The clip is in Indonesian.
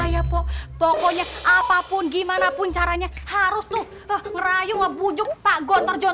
wah kok poella poella gak ada bakat buat ngerayu orang